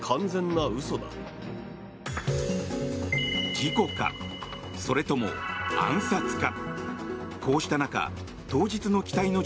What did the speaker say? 事故か、それとも暗殺か。